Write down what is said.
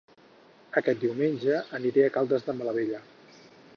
Aquest diumenge aniré a Caldes de Malavella